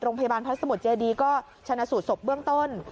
โรงพยาบาลพระสมุทรเจดีก็ชนะสูตรสบเบื้องต้น